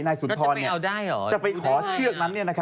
สุนทรจะไปขอเชือกนั้น